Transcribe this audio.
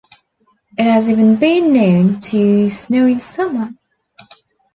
It has even been known to snow in Summer.